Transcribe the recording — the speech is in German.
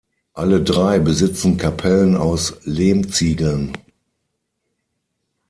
Alle drei besitzen Kapellen aus Lehmziegeln.